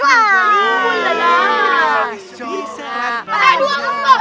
rumah malkis coklat